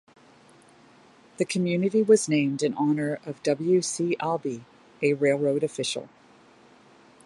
The community was named in honor of W. C. Albee, a railroad official.